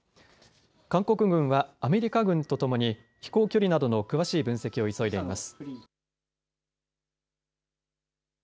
韓国軍はアメリカ軍とともに飛行距離などの詳しい分析を急いでいます。